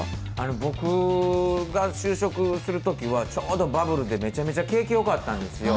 僕が就職するときは、ちょうどバブルでめちゃめちゃ景気よかったんですよ。